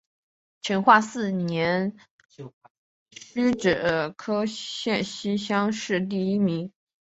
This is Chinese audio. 成化四年戊子科陕西乡试第一名。